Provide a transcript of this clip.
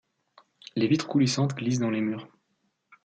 Les vitres coulissantes glissent dans les murs.